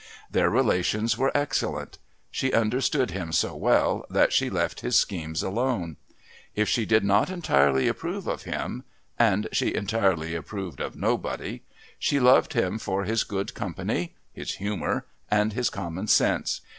Their relations were excellent. She understood him so well that she left his schemes alone. If she did not entirely approve of him and she entirely approved of nobody she loved him for his good company, his humour, and his common sense.